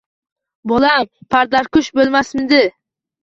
Bolam padarkush bo`lmasmidi